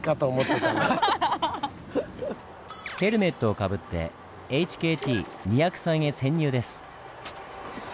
ヘルメットをかぶってＨＫＴ２０３へ潜入です。